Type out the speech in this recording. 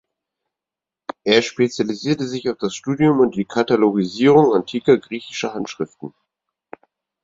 Er spezialisierte sich auf das Studium und die Katalogisierung antiker griechischer Handschriften.